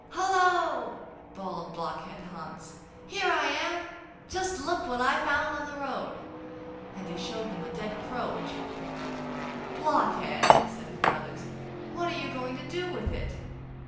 'Hullo!' bawled Blockhead Hans, 'here I am! Just look what I found on the road!' and he showed them a dead crow which he had picked up. 'Blockhead!' said his brothers, 'what are you going to do with it?